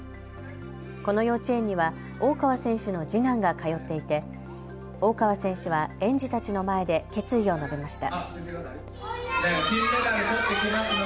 この幼稚園には大川選手の次男が通っていて大川選手は園児たちの前で決意を述べました。